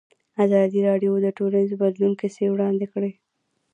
ازادي راډیو د ټولنیز بدلون کیسې وړاندې کړي.